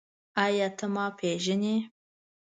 ایا ته ما پېژنې؟